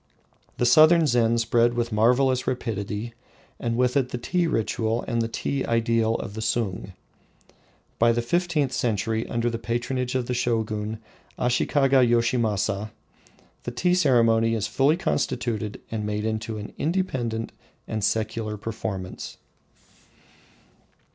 The southern Zen spread with marvelous rapidity, and with it the tea ritual and the tea ideal of the Sung. By the fifteenth century, under the patronage of the Shogun, Ashikaga Voshinasa, the tea ceremony is fully constituted and made into an independent and secular performance.